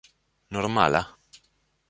normala